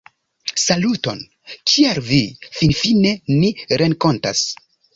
- Saluton! Kiel vi? Finfine ni renkontas-